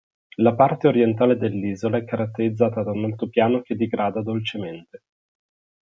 La parte orientale dell'isola è caratterizzata da un altopiano che digrada dolcemente.